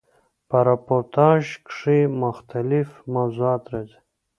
په راپورتاژ کښي مختلیف موضوعات راځي.